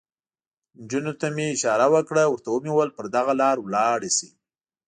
نجونو ته مې اشاره وکړه، ورته مې وویل: پر دغه لار ولاړ شئ.